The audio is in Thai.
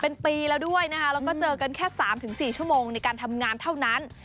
เป็นปีแล้วด้วยนะคะแล้วก็เจอกันแค่๓๔ชั่วโมงในการทำงานเท่านั้น